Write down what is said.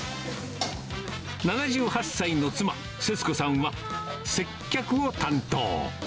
７８歳の妻、節子さんは、接客を担当。